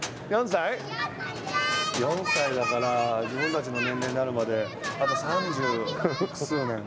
自分たちの年齢になるまであと三十数年。